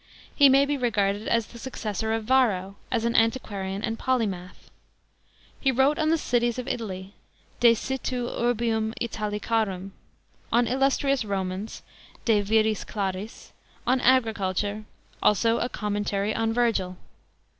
He may be regarded as the successor of Varro, as an antiquarian and polymath. He wrote on the cities of Italy (de situ urbium Italicarum), on illustrious Romans (de viris claris\ on agriculture ; also a commentary on Virgil.